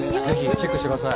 チェックしてください。